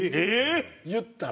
えっ！